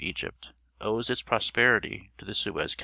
The Egypt, owes its prosperity to the ~Suez Cnnnj.